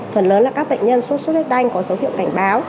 phần lớn là các bệnh nhân suốt suốt huyết đanh có dấu hiệu cảnh báo